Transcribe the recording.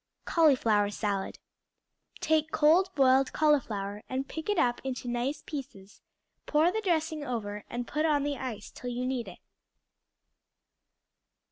Cauliflower Salad Take cold boiled cauliflower and pick it up into nice pieces; pour the dressing over, and put on the ice till you need it.